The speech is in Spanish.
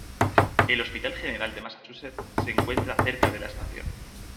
El Hospital General de Massachusetts se encuentra cerca de la estación.